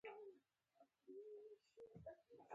هغې د سرود تر سیوري لاندې د مینې کتاب ولوست.